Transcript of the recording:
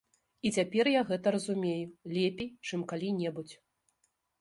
І цяпер я гэта разумею лепей, чым калі-небудзь.